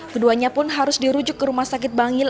keduanya pun harus dirujuk ke rumah sakit bangil